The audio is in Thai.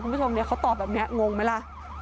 คุณผู้ชมเนี่ยเขาตอบแบบนี้งงไหมล่ะ